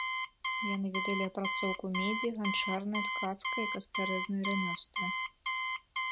Яны ведалі апрацоўку медзі, ганчарнае, ткацкае і кастарэзнае рамёствы.